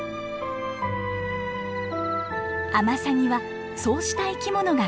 アマサギはそうした生き物が好物。